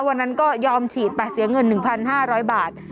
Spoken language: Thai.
วันนั้นก็ยอมฉีดไปเสียเงิน๑๕๐๐บาท